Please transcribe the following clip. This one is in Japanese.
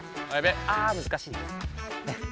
あ難しい。